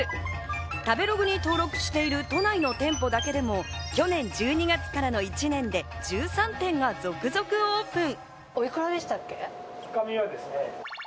食べログに登録してる都内の店舗だけでも、去年１２月からの１年で１３店が続々オープン。